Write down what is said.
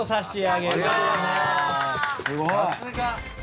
さすが。